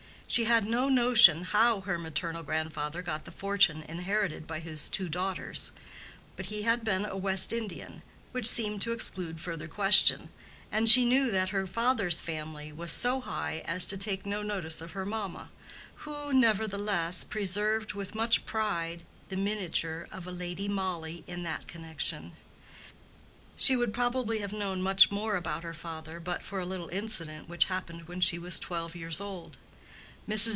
She had no notion how her maternal grandfather got the fortune inherited by his two daughters; but he had been a West Indian—which seemed to exclude further question; and she knew that her father's family was so high as to take no notice of her mamma, who nevertheless preserved with much pride the miniature of a Lady Molly in that connection. She would probably have known much more about her father but for a little incident which happened when she was twelve years old. Mrs.